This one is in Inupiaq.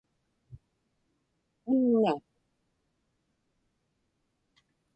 unna